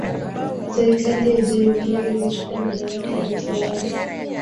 Serikali ya Ujerumani ilichukua madaraka ya utawala